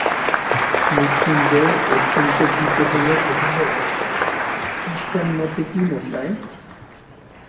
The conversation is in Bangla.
মৃত্যুঞ্জয় অত্যন্ত ভীত হইয়া কহিল, ক্রিশ্চান মতে কী মশায়?